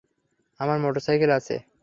আমার মোটরসাইকেল আছে।